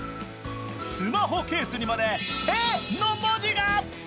スマホケースにまで「て」の文字が。